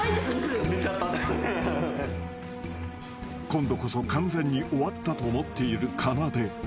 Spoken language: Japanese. ［今度こそ完全に終わったと思っているかなで］